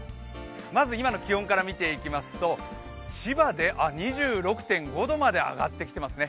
まず今の気温から見ていきますと千葉で２６．５度まで上がってきていますね。